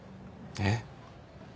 えっ？